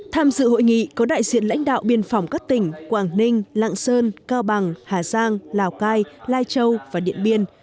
tham dự hội nghị có đại diện lãnh đạo biên phòng các tỉnh quảng ninh lạng sơn cao bằng hà giang lào cai lai châu và điện biên